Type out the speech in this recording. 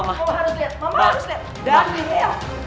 kamu harus lihat mama harus lihat